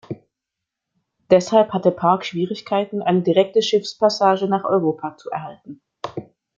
Deshalb hatte Park Schwierigkeiten eine direkte Schiffspassage nach Europa zu erhalten.